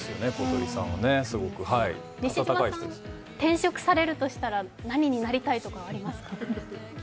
西島さん、転職されるとしたら、何になりたいとかありますか。